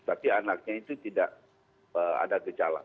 tapi anaknya itu tidak ada gejala